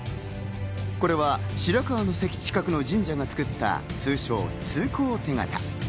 これは白河の関近くの神社が作った通称・通行手形。